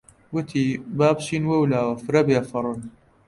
وتی: با بچن وەولاوە فرە بێفەڕن!